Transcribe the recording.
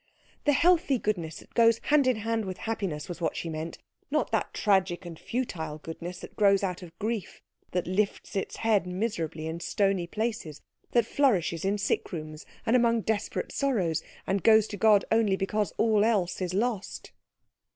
The healthy goodness that goes hand in hand with happiness was what she meant; not that tragic and futile goodness that grows out of grief, that lifts its head miserably in stony places, that flourishes in sick rooms and among desperate sorrows, and goes to God only because all else is lost.